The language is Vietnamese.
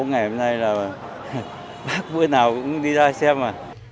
ba bốn ngày hôm nay là bác bữa nào cũng đi ra xem mà